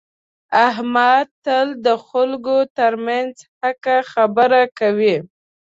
احمد تل د خلکو ترمنځ حقه خبره کوي.